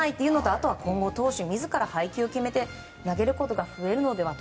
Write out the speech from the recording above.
あとは今後、投手自ら配球を決めて投げることが増えるのではと。